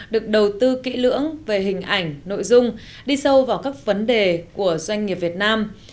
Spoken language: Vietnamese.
được đầu tư kỹ lưỡng về hình ảnh nội dung đi sâu vào các vấn đề của doanh nghiệp việt nam